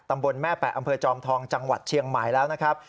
ตำบลแม่แปะอำเภอจอมทองจังหวัดเชียงใหม่แล้วนะครับ